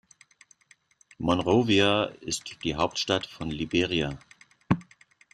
Monrovia ist die Hauptstadt von Liberia.